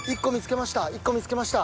１個見つけました。